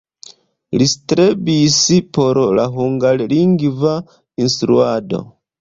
Li strebis por la hungarlingva instruado.